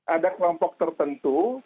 ada kelompok tertentu